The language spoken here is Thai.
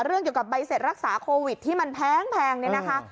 เกี่ยวกับใบเสร็จรักษาโควิดที่มันแพงเนี่ยนะคะ